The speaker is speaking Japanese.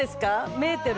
メーテル。